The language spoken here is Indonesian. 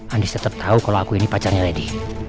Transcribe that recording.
andi tetap tahu kalau aku ini pacarnya lady